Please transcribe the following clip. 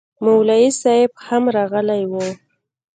مولوي صاحب هم راغلی و